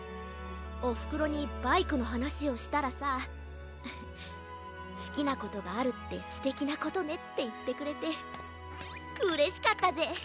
おふくろにバイクのはなしをしたらさ「すきなことがあるってすてきなことね」っていってくれてうれしかったぜ。